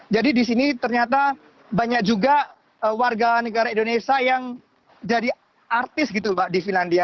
jadi di sini ternyata banyak juga warga negara indonesia yang jadi artis di finlandia